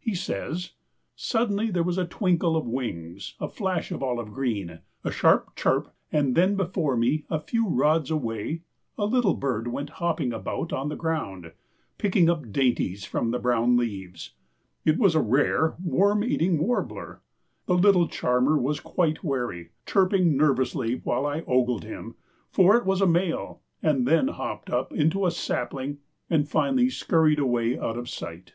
He says: "Suddenly there was a twinkle of wings, a flash of olive green, a sharp chirp, and then before me, a few rods away, a little bird went hopping about on the ground, picking up dainties from the brown leaves. It was a rare Worm eating Warbler. The little charmer was quite wary, chirping nervously while I ogled him—for it was a male—and then hopped up into a sapling and finally scurried away out of sight."